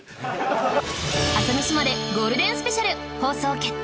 ゴールデンスペシャル放送決定！